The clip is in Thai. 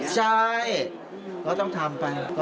ใช่เราต้องทำไปละ